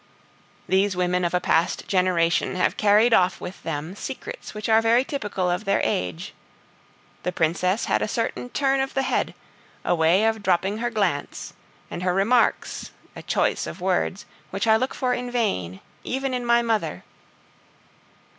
These women of a past generation have carried off with them secrets which are very typical of their age. The Princess had a certain turn of the head, a way of dropping her glance and her remarks, a choice of words, which I look for in vain, even in my mother.